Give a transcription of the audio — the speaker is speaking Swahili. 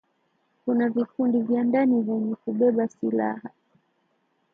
kuna vikundi vya ndani vyenye kubeba silaha